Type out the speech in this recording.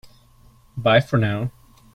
Bye for now!